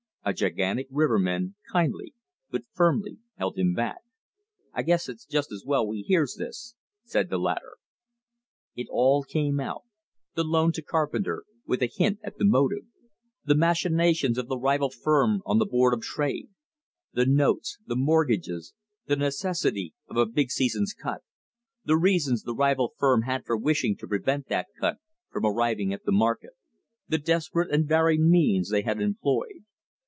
A gigantic riverman kindly but firmly held him back. "I guess it's just as well we hears this," said the latter. It all came out the loan to Carpenter, with a hint at the motive: the machinations of the rival firm on the Board of Trade; the notes, the mortgages, the necessity of a big season's cut; the reasons the rival firm had for wishing to prevent that cut from arriving at the market; the desperate and varied means they had employed.